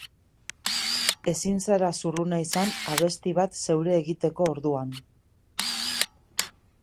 Ezin zara zurruna izan abesti bat zeure egiteko orduan.